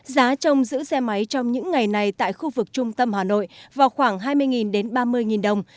giá chồng giữ xe máy trong những ngày này tại khu vực trung tâm hà nội vào khoảng hai mươi đến ba mươi đồng